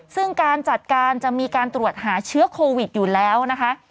ซึ่งการจัดการจะมีการตรวจหาเชื้อโควิดอยู่แล้วนะคะ